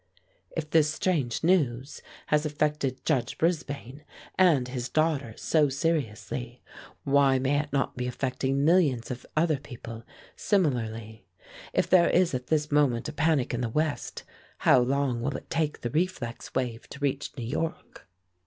"If this strange news has affected Judge Brisbane and his daughter so seriously, why may it not be affecting millions of other people similarly? If there is at this moment a panic in the West, how long will it take the reflex wave to reach New York?"